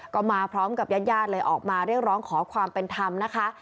ก็มาพร้อมกับญาติญาติเลยออกมาเรียกร้องขอความเป็นธรรมนะคะ